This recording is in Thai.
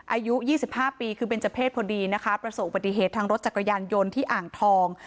อายุ๒๕ปีคือเบนเจอร์เพศพอดีนะคะประสบปฏิเหตุทางรถจักรยานยนต์ที่อ่างทอง